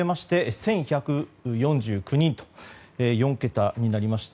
１１４９人と４桁になりました。